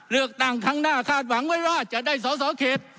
เลือกตั้งครั้งหน้าคาดหวังไว้ว่าจะได้สอสอเขต